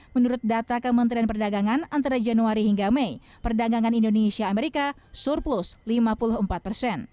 menurut data kementerian perdagangan antara januari hingga mei perdagangan indonesia amerika surplus lima puluh empat persen